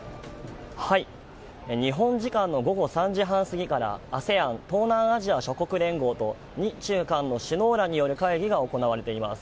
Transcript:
日本時間の午後３時半過ぎからＡＳＥＡＮ・東南アジア諸国連合と日中韓の首脳らによる会議が行われています。